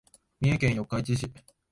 三重県四日市市